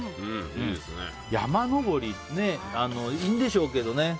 山登り、いいんでしょうけどね。